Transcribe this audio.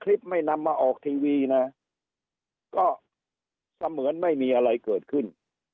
ไม่นำมาออกทีวีนะก็เสมือนไม่มีอะไรเกิดขึ้น